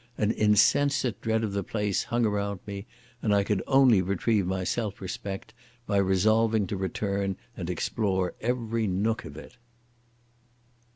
An insensate dread of the place hung around me, and I could only retrieve my self respect by resolving to return and explore every nook of it.